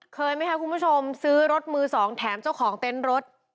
เคยไหมคะคุณผู้ชมซื้อรถมือสองแถมเจ้าของเต็นต์รถ